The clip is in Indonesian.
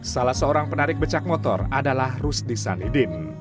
salah seorang penarik becak motor adalah rusdi saneddin